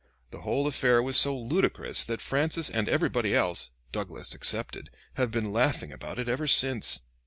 The whole affair was so ludicrous that Francis and everybody else, Douglas excepted, have been laughing about it ever since."